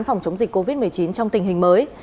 phòng chống dịch covid một mươi chín trong tình hình mới